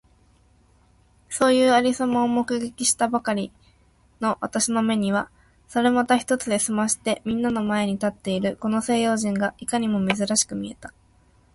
そういう有様を目撃したばかりの私の眼めには、猿股一つで済まして皆みんなの前に立っているこの西洋人がいかにも珍しく見えた。